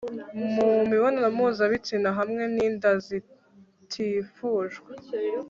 mu mibonano mpuzabitsina hamwe ninda zitifujwe